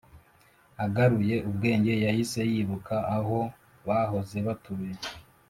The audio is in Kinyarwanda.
Agaruye ubwenge yahise yibuka aho bahoze batuye